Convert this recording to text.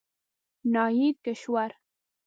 ناهيد کشور